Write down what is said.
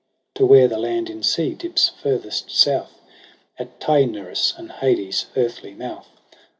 To where the land in sea dips furthest South At Taenarus and Hades' earthly mouth.